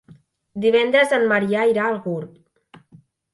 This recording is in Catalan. Divendres en Maria irà a Gurb.